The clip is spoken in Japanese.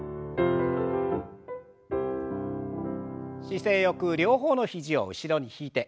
姿勢よく両方の肘を後ろに引いて。